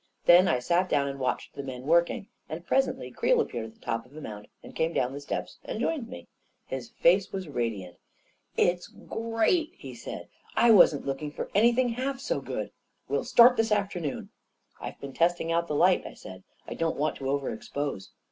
Then I sat down and watched the men working, and presently Creel appeared at the top of the mound, and came down the steps and joined me. His face was radiant. " It's great I " he said. " I wasn't looking for anything half so good. We'll start this afternoon." "I've been testing out the light," I said. "I don't want to over expose."